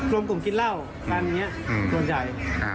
รวมกลุ่มกินเหล้ากันเนี่ยส่วนใหญ่